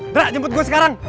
drak jemput gue sekarang